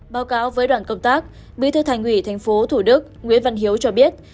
báo cáo với đoàn công tác bí thư thành ủy tp thủ đức nguyễn văn hiếu cho biết